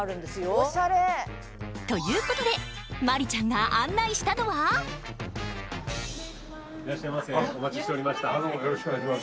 オシャレ。ということで麻里ちゃんが案内したのはいらっしゃいませお待ちしておりました。